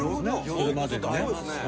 それまでがね。